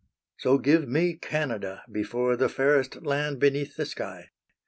So give me Canada before The fairest land beneath the sky.